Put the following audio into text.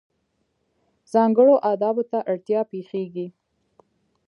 ځانګړو آدابو ته اړتیا پېښېږي.